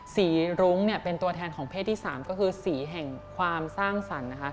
รุ้งเป็นตัวแทนของเพศที่๓ก็คือสีแห่งความสร้างสรรค์นะคะ